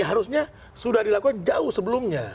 harusnya sudah dilakukan jauh sebelumnya